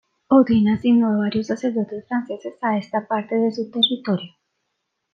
Odin, asignó a varios sacerdotes franceses a esta parte de su territorio.